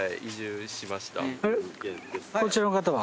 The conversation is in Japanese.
こちらの方は？